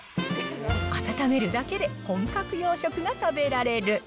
温めるだけで本格洋食が食べられる。